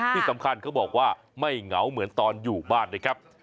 ที่สำคัญเขาบอกว่าไม่เหงาเหมือนตอนอยู่บ้านนะครับ